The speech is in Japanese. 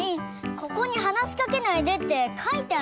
ここに「はなしかけないで！」ってかいてあるでしょ。